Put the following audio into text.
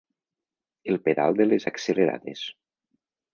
El pedal de les accelerades.